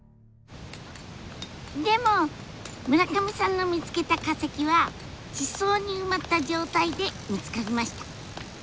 でも村上さんの見つけた化石は地層に埋まった状態で見つかりました。